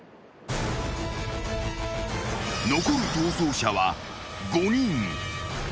［残る逃走者は５人］